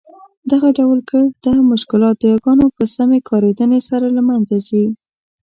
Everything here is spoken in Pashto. دغه ډول ګرده مشکلات د یاګانو په سمي کارېدني سره له مینځه ځي.